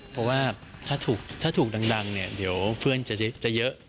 เพราะว่าถ้าถูกดังเนี่ยเดี๋ยวเพื่อนจะเยอะ